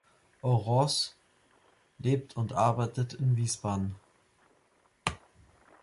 Orosz lebt und arbeitet in Wiesbaden.